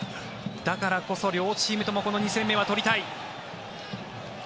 だからこそ両チームともこの２戦目は取りたい。